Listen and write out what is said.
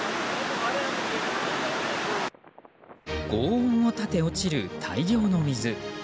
轟音を立て落ちる大量の水。